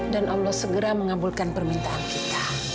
dan allah segera mengabulkan permintaan kita